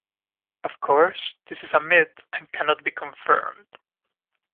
Of course, this is a myth and cannot be confirmed.